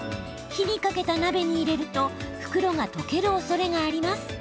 火にかけた鍋に入れると袋が溶けるおそれがあります。